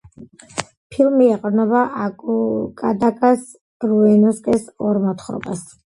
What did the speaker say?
ფილმი ეყრდნობა აკუტაგავა რიუნოსკეს ორ მოთხრობას.